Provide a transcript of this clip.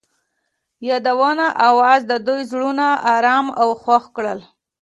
د یادونه اواز د دوی زړونه ارامه او خوښ کړل.